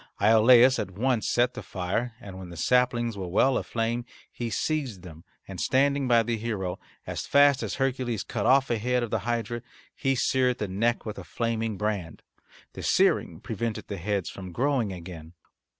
Iolaus at once set the fire, and when the saplings were well aflame he seized them and, standing by the hero, as fast as Hercules cut off a head of the hydra he seared the neck with a flaming brand. The searing prevented the heads from growing again.